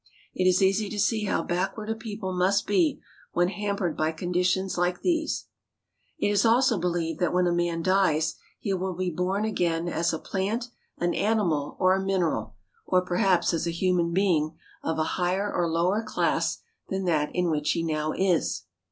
It is easy to see how back ward a people must be when hampered by conditions like these. It is also believed that when a man dies, he will be born CARP. ASIA — 1 7 Boys of Benares. 2/8 THE RELIGIONS OF INDIA again as a plant, an animal, or a mineral ; or perhaps as a human being of a higher or lower class than that in which he now is.